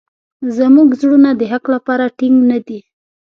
زموږ زړونه د حق لپاره ټینګ نه دي.